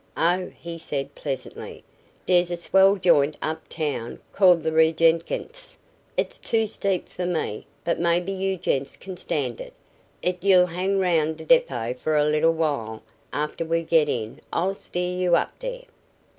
"Oh," he said, pleasantly, "dere's a swell joint uptown called d' Regengetz. It's too steep fer me, but maybe you gents can stand it. It you'll hang around d' depot fer a little while after we get in I'll steer you up dere."